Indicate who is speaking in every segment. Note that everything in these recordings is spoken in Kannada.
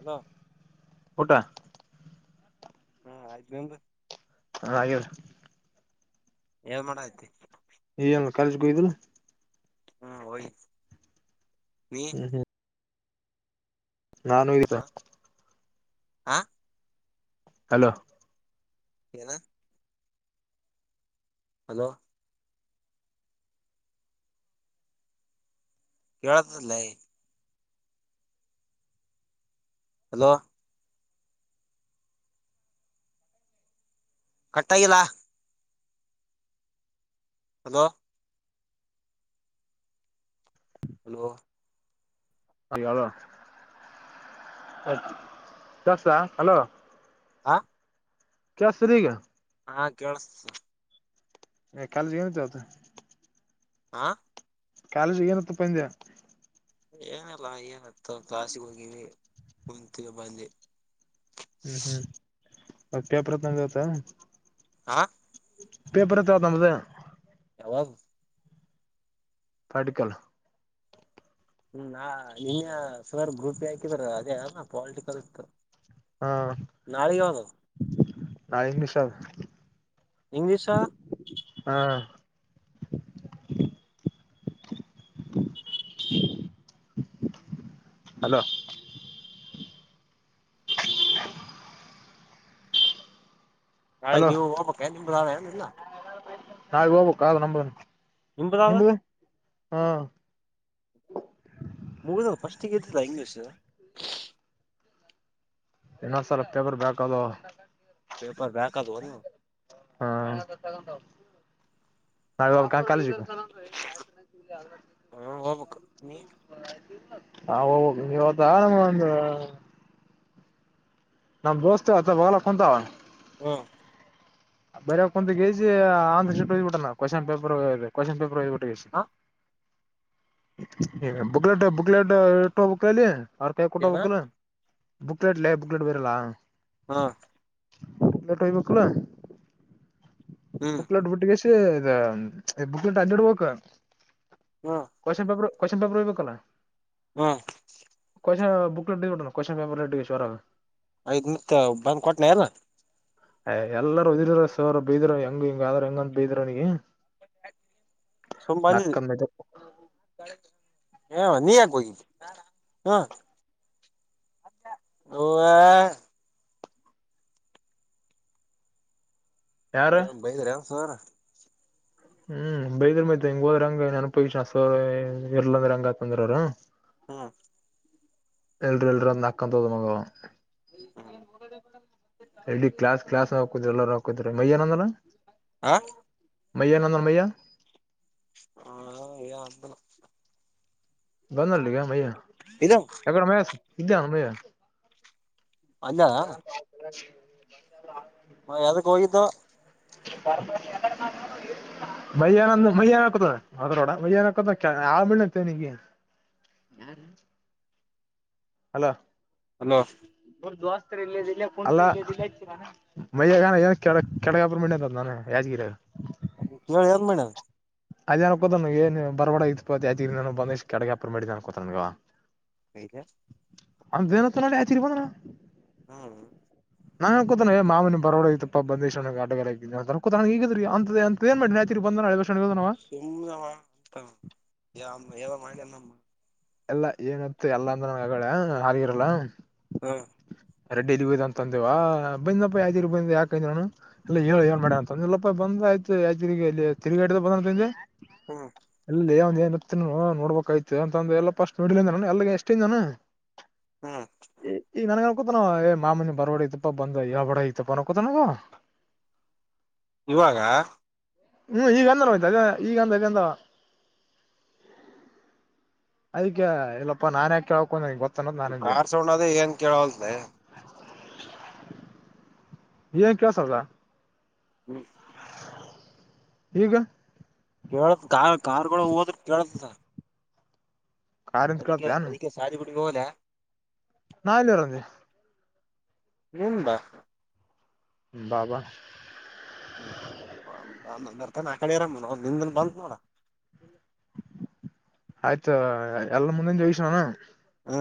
Speaker 1: ಹಲೋ
Speaker 2: ಊಟಾ
Speaker 1: ಹಾ ಆಯ್ತು ನಿಂದು
Speaker 2: ಹಾ ಆಗೆದ
Speaker 1: ಏನ್ ಮಾಡಕತಿ
Speaker 2: ಏನ್ ಕಾಲೇಜ್ ಕ್ ಹೊಗಿದಿಲ್ಲ
Speaker 1: ಹ್ ಹೋಗಿದೆ
Speaker 2: ಹ್ಹೂ ಹ್ಹೂ ನಾನು ಈತ
Speaker 1: ಹಾ
Speaker 2: ಹಲೋ
Speaker 1: ಏನ ಹಲೋ ಕಳತದಲೇ ಹಲೋ ಕಟ್ಟಾಗಿಲ್ಲಾ ಹಲೋ ಹಲೋ
Speaker 2: ಆಗಸ ಹಲೋ
Speaker 1: ಆ
Speaker 2: ಕೇಳುಸ್ತದಿಲ್ಲ ಈಗ
Speaker 1: ಹಾ ಕೆಳಸ್ತದ
Speaker 2: ಎ ಕಾಲೇಜಇಲ್ಲಾಂತ ಇವತ
Speaker 1: ಆ
Speaker 2: ಕಾಲೇಜ ಏನಾಯ್ತು ಪ ಅಂದೆ
Speaker 1: ಏನಿಲ್ಲಾ ಅಣ್ಣಾ ಏನಾಯಿತು ಕ್ಲಾಸಿಗೆ ಹೋಗಿವಿ ಕುಂತಿವಿ ಬಂದಿವಿ
Speaker 2: ಹೂ ಹೂ ಮತ ಪೇಪರ ತಂದಿದಂತ
Speaker 1: ಆ
Speaker 2: ಪೇಪರ್ ಇತ್ತು ಇವತ ನಮ್ಮದು
Speaker 1: ಯಾವದ
Speaker 2: ಪಾರ್ಟಿಕಲ್
Speaker 1: ಹ್ ನಾ ನಿನ್ನೆ ಸರ್ ಗ್ರೂಪಿಗೆ ಹಾಕಿದ್ರ ಅದೆನು ಪಾಟಿರ್ಕಲ್ ಇತ್ತು
Speaker 2: ಹಾ
Speaker 1: ನಾಳೆ ಯಾವ್ದದು
Speaker 2: ನಾಳಿಗಿ ಇಂಗ್ಲಿಷ ಆದಾ
Speaker 1: ಇಂಗ್ಲಿೀಷಾ
Speaker 2: ಹಾ [inaudible] ಹಲೋ
Speaker 1: ನಾಳೆ
Speaker 2: ಹಲೋ
Speaker 1: ನೀವು ಹೋಗ್ಬೇಕ ಬ ನಿಲ್ಲ
Speaker 2: ನಾಲ್ಗೆ ಹೋಗ್ಬೇಕು ನಂಬ
Speaker 1: ನಿಂಬುದಾವ
Speaker 2: ಹಾ
Speaker 1: ಮುಗ ಫಸ್ಟ್ಿಗೆತಲ್ಲಾ ಇಂಗ್ಲೀಷ್
Speaker 2: ಏನಾದ್ ಸಲ ಪೇಪರ್ ಬ್ಯಾಕ್ ಅದು
Speaker 1: ಪೇಪರ್ ಬ್ಯಾಕದುನ
Speaker 2: ಹಾ ನ ಕಾ ಕಾಲ ಜ ಅಂದ್ರೆ
Speaker 1: ಹ್ಮ್ ಹೋಗ್ಬೇಕು ನೀ
Speaker 2: ರಾಯತ ಹಾ ಇವದ ನಮ್ಮ ಒಂದು ನಮ್ ಬೋಸ್ತೇವಥ ಬಲ ಕುಂತಾವ
Speaker 1: ಹಾ
Speaker 2: ಬರಂದ ಕ ಕೆಜಿ ಆಂ್ರ ಹಯ್ಬ ಬಿಟ್ಟಾನ ಕ್ವಶ್ನ್ ಪೇಪರ್ ಕ್ವಶ್ನ್ ಪೇಪರ್ೋೋಗ್ಬಿಟ್ಟ [inaudible]
Speaker 1: ಹ
Speaker 2: ಹ ಬುಕ್ಲೆಟ್ ಬುಕ್ಲೆಟ್ ಇಟ್ಟ ಹಬಲ್ಲಿ ಅವ್ರ ಕಾಯ ಕೊೂಟ
Speaker 1: ಏನ
Speaker 2: ಹೋಗೋಗಲ್ಲ ಬಕ್ಲಲೆಟ್ಲ್ಲೇ ಬಕ್ಲೆಟ್ ಬರಲ್ಲಾ
Speaker 1: ಹಾ
Speaker 2: ಲಲೆಟ್ ಹಬೇಕ ಕಲ್ಲ
Speaker 1: ಹ್ಮ್
Speaker 2: ಪ್ಲಡ್ ುಟಿಗೆ ಮ ಬುಕ್ಕ ಇಟ್ಟ ಅಜಡು ಬೋಕ
Speaker 1: ಹ್ಮ
Speaker 2: ಕ್ಶ್ನ್ ಪೇಪರ್್ ಕೊ್ನ್ ಪೇಪರ್ ಹೋಗ್ಬೇಕಲ್ಲ
Speaker 1: ಹಾ
Speaker 2: ಕೊ ಬುಕ್ ಎಟ್ಟ ಬಿಡ ಕೊಸ್ನ್ಪರ್ ಎಟ್ಟರ
Speaker 1: ಯ್ದ ನಿತ್ ಬಂದ್ ಕೊಟ್ಟನ ಅ
Speaker 2: ಅ ಎಲ್ಲರ ಉದಿರ ಸರ್ ಬೈದಿರ ಹೆಂಗ ಹಿಂಗಾದ್ರ ಹೆಂಗಂತ ಬೈದಿರ ನ ನಕ್ಕ ಮೆದು
Speaker 1: ಕಳಕ್ ಆ ನೀ ಯಾಕ ಹೋಗಿದ್ದಿ ಹಾ ಅವ್ವ
Speaker 2: ಯಾರ
Speaker 1: ಏನ್ ಬೈದ್ರ ಅ ಸುಹರ
Speaker 2: ಹ್ಮ್ ಬೈದರ್ ಮೈತ್ ಹಂಗ ಹೋದ್ರ ಹಂಗನ್ ಅನ್ಪವಿ ಇರ್ಲಂದ್ರ ಹಂಗಕುಂದ್ರನ
Speaker 1: ಹ್ಮ್
Speaker 2: ಎಲ್ರಿ ಎಲ್ರ ಅಂದ ಅಕ್ಕಂತ ಹದ ಮಗವ
Speaker 1: ಹ್ಮ್
Speaker 2: ಎಲ್ ಕ್ಲಾಸ್ ಕ್ಲಾಸ್ ಹಾಕುದ್ರಿ ಎಲ್ಲರ ಹಾಕಿದ್ರಿ ಮಯ್ಯನಂದನ
Speaker 1: ಹ
Speaker 2: ಮೈಯ್ಯಾ ನಾನ ಮಯ್ಯ ಬಂದಲ್ಗ ಮಯ್ಯ
Speaker 1: ಇದ
Speaker 2: ಎಗಡ್ ಮಹೇಶ್ ಇದು ಅಮಯ ಯನ್
Speaker 1: ಅಲ್ಲ
Speaker 2: ಬಇನಾಡಿಬಲ್ ಇನಾಡಿಬಲ್
Speaker 1: ಹಾ ಯಾದ್ಕ್ ಹೋಗಿದ್ದು.
Speaker 2: ಮೈಯಾನ ಮೈಯಾನ ಹಾಕತದ ಅದ್ರೋಡ ಮೈಯ್ಯಾನ ಹಾಕತ ಆ ಹೇತಿನ್ ನಿಗೆ ಹಲೋ
Speaker 1: ಹಲೋ
Speaker 2: ಅಲ್ಲ ಮೈಯಾನ ಏನ್ ಕೆ ಕೆಳಗಬ್ ಮ ನಾನ ಯಾಜಗಿರ
Speaker 1: ಕೇಳೆ ಏನು ಮಾಡೋಣ್ಣ
Speaker 2: ಅದ್ ಅನ್ಕೋತ ನೀ ಬರ್ಡ ಇತ್ ಬಂದ ಇಷ್ಟ ಕಡಗಪರ್ ಮಾಡಿದ ಅನ್ಕೋತಗ
Speaker 1: ಈಗ
Speaker 2: ಅಂದ ದಿನ ತ ನೋಡಿ ಆಚರಿ ಬಂದಣ
Speaker 1: ಹಾ
Speaker 2: ನಾನ್ಕೊ ತನ ಮಾವನನ್ ಬರೋಡೋಗಐತ್ತಪ್ಪ ಬಂದಿ ಅಡ್ಗಗಿದ್ದ ಹಗಿದಿ ಅಂತ ಅಂತಏನ್ ಮಾಡಿ ನಾಯತ್ ಬಂದಳಷನವ
Speaker 1: ಸುಮ್ನವ ಅಂತ ಎಲ್ಲ ಮಾಡ್ಯ ನಮ್ಮ
Speaker 2: ಎಲ್ಲ ಏನತ್ತು ಎಲ್ಲ ಅಂದ್ರ ನಂಗಡ ಅಗಿರಲ್ಲ
Speaker 1: ಹ
Speaker 2: ರೆಡ್ಡಿ ಇಲ್ಲಿಗ್ ಹಯ್ ಅಂತ ಅಂದೇವಾ ಬಂದಪ್ಪ ಯಾಜಿರು ಬಂದೆ ಯಾಕ ನಾನು ಇಲ್ಲ ಹೇಳ ಏನ್ ಮಾಡಡ ಅಂತ ಅಂದ ಇಲ್ಲಪ್ಪ ಬಂದ ಆಯ್ತು ಯಗಲ್ಲಿ ತಿರುಗಾಡಿದ ಬಂದಂತಂದೆ [unintelligible]
Speaker 1: ಹ್ಮ್
Speaker 2: ಅಲ್ಲಿ ಒಂದ ಏನ್ ನೋಡ್ಬೇಕಾಯ್ತು ಅಂತ ಅಂದ ಎಲ್ಲ ಫಸ್ಟ್ ನೋಡಿಲಿನ ಎಲ್ಲಿಗೆ ಎಷ್ಟನ್ನ
Speaker 1: ಹ್ಮ್
Speaker 2: ಈ ಈ ನನಗ ಕೂತನವ ಏ ಮಾಮನ ಬರವಡತಪ್ಪ ಬಂದಬ ಐತಪ್ಪ ನಕೂತ
Speaker 1: ಇವಾಗ
Speaker 2: ಹ್ಮ್ ಈಗ ಅಂದಯ್ತ ಈಗ ಈಗಂದ ಅದಕ್ಕೆ ಇಲ್ಲಪ್ಪಾ ನಾನ್ ಯಾಕ ಕಳ್ಕೊಂಡಂಗೆ ಗೊತ್ತ ಅನ್ನೋದ್ ನಾನಿಂದೆ
Speaker 1: ಕಾರ್ ಸೌಂಡ್ ಅದ್ರೆ ಏನ್ ಕೇಳವಲ್ರೇ
Speaker 2: [inaudible] ಏನ್ ಕೇಳ್ಸಲ್ವಾ
Speaker 1: ಹ್ಮ್
Speaker 2: ಈಗ
Speaker 1: ಕೇಳತ್ ಕ ಕಾರ್ಗಳು ಹೋದ್ರ ಕೇಳತ
Speaker 2: ಕಾರಿಂದ
Speaker 1: ಅದಿಕ ಅದಿಕ ಸಾರಿ ಬಿಡು ಇ ಹೋಗಲ್ಯ
Speaker 2: ನಾಲ್ಲಿ ರಜೆ
Speaker 1: ನಿನ್ ದಾ
Speaker 2: ಬಾ ಬಾ
Speaker 1: ಹ್ಮ್ ನರ್ಥ ಆ ಕಡೆ ಇರ ನಿನ್ ಬಂದ ನೋಡ
Speaker 2: ಆಯ್ತ ಎಲ್ಲ ಮುಂದೆನ ಜೋಗಿಸಾನ
Speaker 1: ಹ್ಮ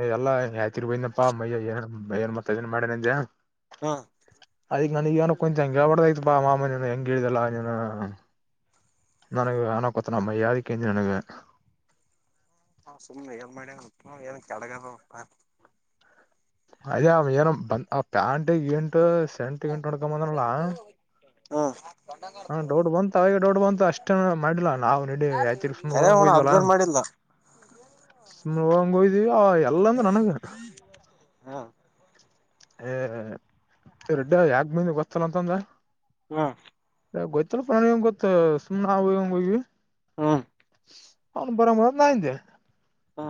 Speaker 2: ಏ ಎಲ್ಲಾ ಯಯ್ತಿರ್ ಬಯನಪ್ಪಾ ಮಯ ಏ ಏನ್ ಮತ್ತತ್ ಅದನ್ ಮಾಡನಜ ಅನ್ ಇಂಟೆಜಿಬಲ್
Speaker 1: ಹಾ
Speaker 2: ಅದಿಕ್ ನನಗ ಏನ ಕುಂತ ಹೆಂಗಗೆಬಡ್ದೈತ್ ಬಾ ಮಾಮ ನೀನು ಹೆಂಗಗೆ ಹೇಳ್ದಲ್ಲ ನೀನು ನನಗ ಅನ ಕೊೋತನ ಅಮ್ಮ ಯಾರಕ್ಕ ನನ್ಗ
Speaker 1: ಹ ಸುಮ್ಮ್ನೆ ಏನ್ ಮಾಡ್ಯ ಏನ್ ಕೆಳಗಾರತ
Speaker 2: ಅದೇ ಏನು ಬಂದ ಆ ಪ್ಯಾಂಟ್ ಏಂ ಸೆಂಟ್ ಗಂಟ್ ನಡ್ಕ ಬಂದಲ್ಲ
Speaker 1: ಹ್ಮ್
Speaker 2: ಹಾ ದೊಡ್ ಬಂತ ಅವಾಗ ದೊಡ್ ಬಂತ ಅಷ್ಟನ ಮಾಡಿಲ್ಲಾ ನಾವ್ ನೀಡಿ ಯಾತಿ ಸುಮ್ನೆ
Speaker 1: ಕರೆ ಅಣ್ಣ
Speaker 2: ಹೋಗಂಗಯ್ದ್ವಲ್ಲ
Speaker 1: ಅಬ್ಸರ್ವ್ ಮಾಡಿಲ್ಲ
Speaker 2: ಸುಮ್ನೆ ಹೋಗಂಗಯ್ದಿವವಿ ಎಲ್ಲಂದ್ರ ನನಗ
Speaker 1: ಹ್ಮ್
Speaker 2: ಹಏ ರೆಡ್ಡಿ ಯಾಕ ಮಂದ ಗೊತ್ತಲ್ಲ ಅಂತಂದ
Speaker 1: ಹಾ
Speaker 2: ಗಯ್ತಲ್ ಪ್ರಾಣ ಹೆಂಗ ಗೊತ್ತ ಸು್ನೆ ನಾವುಂಗ್ ಹೋಗ್ವಿ
Speaker 1: ಹ್ಮ್
Speaker 2: ಅವನು ಬರ ಮ ನಂದ
Speaker 1: ಹಾ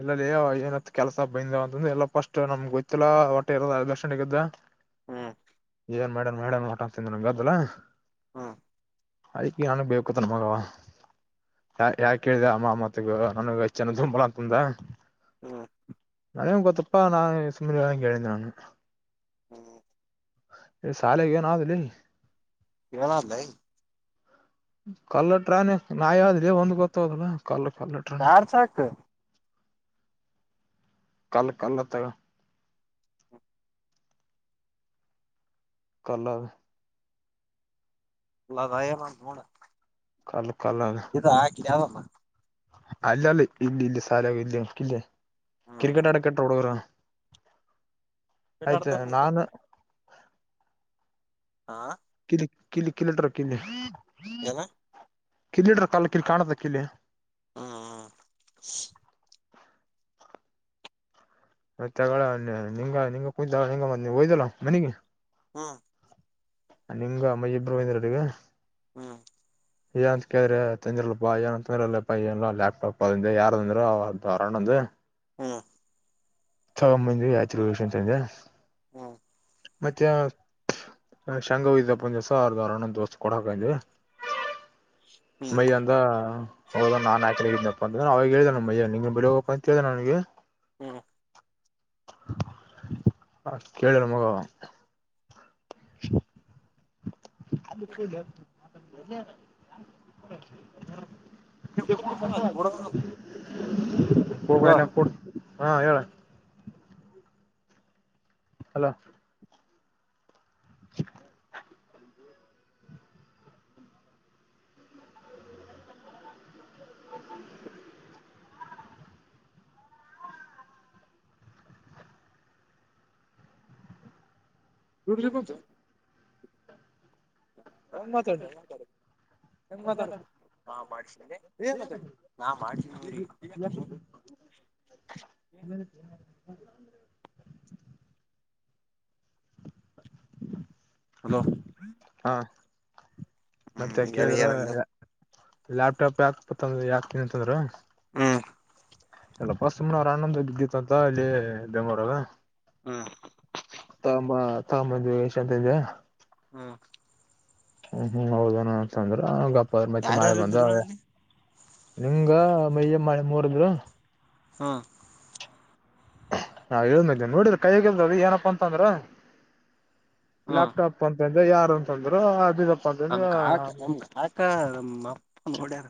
Speaker 2: ಎಲ್ಲಲ್ಲಿ ಏನತ್ ಕೆಲಸ ಬಂದ ಅಂತ್ರ ಎಲ್ಲಾಫಸ್ಟ್ ನಮ್ಗೆ ಗೊತ್ತಿಲ್ಲಾ ಹೊಟ್ಟೆ ಇರದ ದರ್ಶಣಗದ್ದ
Speaker 1: ಹ್ಮ್
Speaker 2: ಏನ್ ಮಾಡ್ಯನ್ ಮಾಡಡ ಹೊಟಾನ್್ತನ್ಿ ನಂಗಗೆ ಅದ್ದಲ್ಲ
Speaker 1: ಹ್ಮ
Speaker 2: ಆಯ್ಕಿ ನನ್ಗ್ ಬೇಕುತ್ ನನ್ ಮಗವ ಯ ಯಾಕ ಕೇಳಿದೆ ಅಮ್ಮಮ್ಮತ್ತಗ ನನಗೆ ಅನ ದುಂಬಲಂತ ತದಾ
Speaker 1: ಹ್ಮ
Speaker 2: ಅದೇ ಕೊತಪ್ಪ ನಾ ಸುಮ್ಮನೆ ಕೇಳಂದು
Speaker 1: ಹ್ಮ
Speaker 2: ಇ ಶಾಲೆ ಇಏನಾವದಲ್ಲಿ
Speaker 1: ಕೇಳಂತ
Speaker 2: ಕಲ್ಲಟ್ರಾನೆ ನಾ ಯಾವ್ದಿಲ್ಲ ಒಂದ್ ಗೊತ್ತದಲ್ಲ ಕಲ್ಲಟ
Speaker 1: ಚಾರ್ ಸಾಕ
Speaker 2: ಕಲ್ಲ ಕಲ್ಲ ತ ಕಲರ್
Speaker 1: ಇಲ್ಲದಾಯ ಮಾಡ ನೋಡ
Speaker 2: ಕಲ್ ಕಲ್
Speaker 1: ಇದು ಹಾಕಿದ ಯಾವಮ್ಮ
Speaker 2: ಅಲ್ಲ ಅಲ್ಲ ಇಲ್ಲ ಇಲ್ಲಿ ಸಾಲ ಇಲ್ಲ ಇಲ್ಲ
Speaker 1: ಹ್ಮ್
Speaker 2: ಕ್ರಿಕೆಟ್
Speaker 1: ಹ್ಮ್
Speaker 2: ಅಡಕಟ್ಟ ಹಡುಗರ ಆಯ್ತ
Speaker 1: ಆಡ್ತ ಇದ್ದೆ
Speaker 2: ನಾಾನು
Speaker 1: ಹಾ
Speaker 2: ಕಲಟರ್ಕ್ಕನ್ನ
Speaker 1: ಲ್ಲ
Speaker 2: ಕಿಲೀಟರ ಕಾಲ ಕಿಲ್ ಕಾಣದ ಕಿಲೆ
Speaker 1: ಹ್ಮ ಹ್ಮ
Speaker 2: ಮತ್ತೆ ನಿಂಗ ನಿಂಗ ಕುೂಂಗ ನೀ ಒಯ್ದಲ್ಲ ಮನಗೆ
Speaker 1: ಹ್ಮ
Speaker 2: ನಿಂಗ ಅಮ್ಮ ಇಬ್ರು ಮಂದಿರ ರಗ
Speaker 1: ಹ್ಮ್
Speaker 2: ಏ ಅಂತ ಕೇಳಿದ್ರೆ ತಂದಿರ್ಲ್ ಬಾ ಏನ ಅಂತಂದಿಲ್ಲ ಪ ಏಲ್ಲ ಲ್ಯಾಪ್ಟಾಪ್ ಅ ಯಾರ ಅಂದ್ರರು ಅವರಂದ
Speaker 1: ಹ್ಮ್
Speaker 2: ಚಮ್ಮಜ ಯಾತ್ರಿ ಕೃಷ ಸಂಜೆ
Speaker 1: ಹ್ಮ
Speaker 2: ಮತ್ತೆ ಶಂಗವ್ದಪ್ಪಂದ ದಸರ್ದವ ಅಣೊಂದ ದೋಸ್ತ ಕೊಡಾಕಂದೆ
Speaker 1: ಹ್ಮ್
Speaker 2: ಮಯ ಅಂದ ಹದ ನಾನ ನಪ್ಪ ಅ ಅವಾಗ ಹೇಳ್ದ ನಮ್ಮಯ್ಯ ನಿಂಗೆ ಬೆಳಿ ಹಬೇಕ ಅಂತ ಹೇಳ್ದ ನನಗೆ
Speaker 1: ಹ್ಮ್
Speaker 2: ಹ ಕೇಳಾರ ಮಗ [inaudible] ಹ ಬು [inaudible] ಇ ಕ
Speaker 1: ಹ್ಮ್
Speaker 2: ಬ [inaudible] ಹೋಗಲ್ಲ ಕೊಡ್ ಹಾ ಹೇಳ ಅಲ [inaudible] ಹ [unintelligible]
Speaker 1: ಡ ಕತ [unintelligible] ಹ [inaudible] ನಂಗ ಮಾತಾಡನ್ ಮಾತಾಡ ಹೆಂಗನ್ ಮಾತಾಡಾ ಮಾಡನೆ ಮಾತಾ ನಾ ಮಾಡ್ಮ ಹಲೋ
Speaker 2: ಹ ಮತ್ತೆ
Speaker 1: ಹ್ಮ್ ಏನ
Speaker 2: ಕೇಳಿದ್ರು
Speaker 1: ಏನಂದ
Speaker 2: ಲ್ಯಾಪ ್ಟಾಪ್ ಯಾಕಪ್ಪಂದ್ರ ಯಾಕ್ತನಿ ಅಂತಂದ್ರ
Speaker 1: ಹ್ಮ್
Speaker 2: ಎಲ್ಲ ಪಸ್ಟ್ ಸುಮ್ನ ಅವ್ರ ಆನಂದ ಇದ್ದಿತ್ತು ಅಂತ ಇಲ್ಲಿ ಬೆಂಗಳೂರಿಗೆ
Speaker 1: ಹ್ಮ್
Speaker 2: ತಮ್ಮ ಆ ಮದ್ ಎಷ ಅಂತ ಇದ
Speaker 1: ಹ್ಮ್
Speaker 2: ಹ್ಮ್ ಹ್ಮ್ ಹೌದಣ ಅಂತಂದ್ರ ಗ ಮತ್ತೆ ಮಳೆ
Speaker 1: ಯಾರ್ಯಾರು
Speaker 2: ಬಂದು
Speaker 1: ಇದ್ರು
Speaker 2: ಅವ
Speaker 1: ಅಲ್ಲಿ
Speaker 2: ನಿಂಗ ಮಯ್ಯಮ್ಮಳೆ ಮೂರ್ದರು
Speaker 1: ಹ್ಮ
Speaker 2: ಹಾ ಹೇಳ ಇದೇನೆ ನೋಡ್ರ ಕೈಯಗಿಲ್ದ್ರ ಏನಪ್ಪಾ ಅಂತಂದ್ರ
Speaker 1: ಹ್ಮ್
Speaker 2: ಲಲೆಪ್ಟಾಪ್ ಪಪ ಇ ಯಾರು ಅಂತಂದ್ರು ಅದು
Speaker 1: ನಮ್ ಕಾಕ ನಮ ಕಾಕ ನಮ ಅಪ್ಪ ನೋಡ್ಯಾರ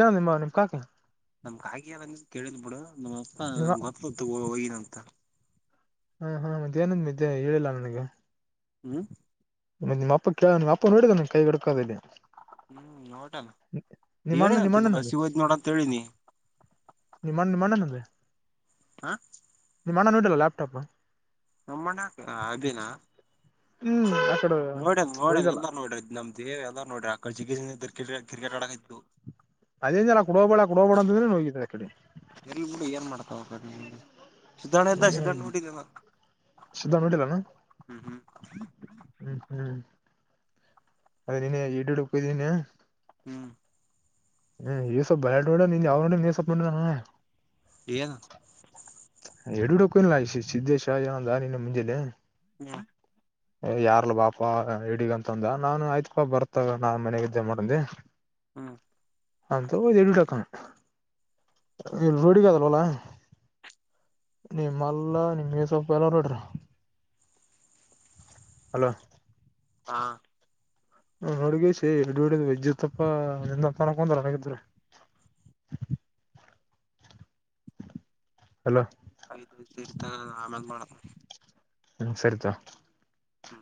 Speaker 2: ಏ ನಿಮ್ಮ ನಿಮ್ ಕಾಕೆ
Speaker 1: ನಮ್ ಕ ಆಗಿಯ ಕೇಳಿದ್ ಬಿಡು ಮ
Speaker 2: ನಿಮ್ಮ
Speaker 1: ಮತ್ತ ಗೊತ್ತತ್ತು ಅಂತ
Speaker 2: ಹಾ ಹಾ ಮತ್ತೆ ಏನಂದ ಮತ್ತೆ ಹೇಳಿಲ್ಲ ನನಗೆ
Speaker 1: ಹ್ಮ್
Speaker 2: ನಿ ನಿಮ್ಮಪ್ಪ ಕಮ್ಮಪ್ಪ ನೋಡಿದ ನ ಕೈ ಗಡಕದಲ್ಲಿ
Speaker 1: ಹ್ಮ್ ಟಲ್
Speaker 2: ನಿಮ್ಮ ಅಣ್ಣ
Speaker 1: ಹೇಳಿನ
Speaker 2: ನಿಮ್ಮ
Speaker 1: ತಗ ಬಸ್ಸ
Speaker 2: ಅಣ್ಣನಂದು
Speaker 1: ಹೋಯ್ತ್ ನೋಡಂತ ಹೇಳಿನಿ
Speaker 2: ನಿಮ್ಮ ಅಣ್ಣ ನಿಮ್ಮ ಅಣ್ಣನಂದು
Speaker 1: ಹಾ
Speaker 2: ನಿಮ್ಮ ಮಣ್ಣು ಇಡಲ್ಲ ಲ್ಯಾಪ್ಟಾಪ
Speaker 1: ನಮ್ಮಣ್ಣ ಅಭಿನ
Speaker 2: ಹ್ಮ್ ಆ ಕಡೆ
Speaker 1: ನೋಡನ್ ನೋಡನ್
Speaker 2: ಒಯ್ದಲ್ಲ
Speaker 1: ಎಲ್ಲಾ ನೋಡ್ರಿ ಇದ್ ನಮ್ದೇ್ ಎಲ್ಲಾ ನೋಡ್ರಿ ಆಡೆ ಚಿಕಿತ್ಸೆ ಕ್ರ ಕ್ರಿಕೆಟ್ ಆಡಕ ಇತ್ತು
Speaker 2: ಅದೇನ್ ಎಲ್ಲ ಕೊಡೋಬೇಡ ಕೊಡಬೇಡ ಅಂದ್ರೇ ನ ಹೋಗಿದ್ದಿದೆ ರಕಡೆ
Speaker 1: ಎಲ್ ಬಿೂಡ ಏನ್ ಮಾಡ್ತಾ ಹೋಗ ನೀಗೆ ಸ್ಧಣ ಇದ್ದ ಸ್ಧರ್ಣ
Speaker 2: ಹ್ಮ್
Speaker 1: ನೋಡಿದ್ದೇ ನ
Speaker 2: ಸಿದ್ದ ನೋಡಿಲ್ಲಾನ
Speaker 1: ಹ್ಮ್ ಹ್ಮ್
Speaker 2: ಅದೇ ನೀನ್ನ ಈಡ್ಡು ಹ್ದೀನಿ
Speaker 1: ಹ್ಮ್
Speaker 2: ಹ್ಮ್ ಈ ಸೊಪ್ ಬಯಾಡ್ಡ ನಿ ಯಾವ ನೀ ಸೊಪ್ ಮಾಡ
Speaker 1: ಏನ್
Speaker 2: ಎಡಡುಡಕ್ಕಿಲ್ಲ ಸಿದ್ದೇಶ ಏನಂದ ನಿನ್ನ ಮುಂಜೆ
Speaker 1: ಹ್ಮ
Speaker 2: ಯಾರ್ಲ ಬಾಪ ಹಿಡೀಗಂತಂದ ನಾನು ಆಯ್ತ್ ಪಾ ಬರ್ತ ನಾ ಮನೆಗ್ದೆ ಮಾಡಂದೆ
Speaker 1: ಹ್ಮ
Speaker 2: ಅಂತ ಎಡಿಟಕ ಇಲ್ಲಿ ರೋಡಿಗದಲ್ವಲಾ ನೀ ಮಾಲ್ಲ ಮ ಸ ಪಲ ರಟ್ರ ಹಲೋ
Speaker 1: ಹಾ
Speaker 2: ನುಡುಗ ಸೇ ಬಿಡ್ಬಡಿದ ವೈದ್ಯತ್ಪ್ಪ ನಿನ್ನ ತಕೊಂಡರನ್ನಾಗಿದ್ರ ಅಲೋ
Speaker 1: ಐದ್ ವಯಸ ಇರ್ತ ಆಮೇಲೆ ಮಾಡತ
Speaker 2: ಹ್ಮ್ ಸರಿತಾ
Speaker 1: ಹ್ಮ